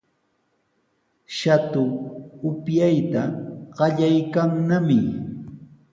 Shatu upyayta qallaykannami.